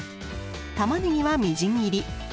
たまねぎはみじん切り。